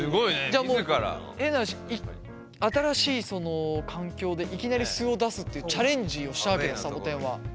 じゃあ変な話新しいその環境でいきなり素を出すっていうチャレンジをしたわけださぼてんは。